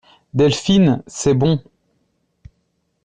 Delphine C'est bon.